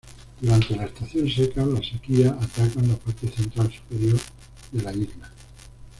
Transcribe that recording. Durante la estación seca, las sequías atacan la parte central superior de la isla.